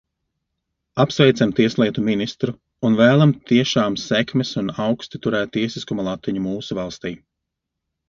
Apsveicam tieslietu ministru un vēlam tiešām sekmes un augsti turēt tiesiskuma latiņu mūsu valstī!